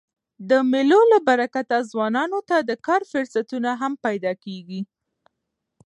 د مېلو له برکته ځوانانو ته د کار فرصتونه هم پیدا کېږي.